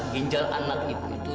ginjal anak ibu itu